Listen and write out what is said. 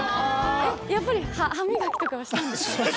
やっぱり歯磨きとかはしたんですか？